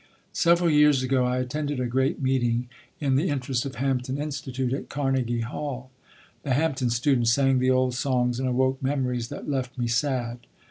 Several years ago I attended a great meeting in the interest of Hampton Institute at Carnegie Hall. The Hampton students sang the old songs and awoke memories that left me sad.